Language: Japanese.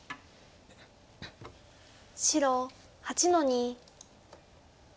白８の二。